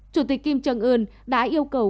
chủ tịch kim trần ươn đã yêu cầu